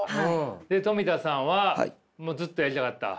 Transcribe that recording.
でトミタさんはもうずっとやりたかった？